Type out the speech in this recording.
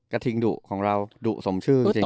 ทิงดุของเราดุสมชื่อจริง